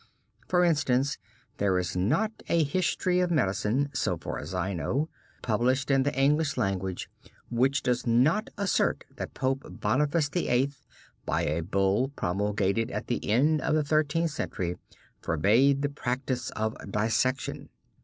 For instance, there is not a history of medicine, so far as I know, published in the English language, which does not assert that Pope Boniface VIII., by a Bull promulgated at the end of the Thirteenth Century, forbade the practise of dissection.